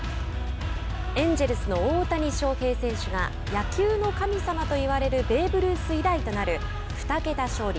エンジェルスの大谷翔平選手が野球の神様といわれるベーブ・ルース以来となる２桁勝利